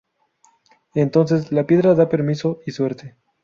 Entonces, la piedra da permiso y suerte.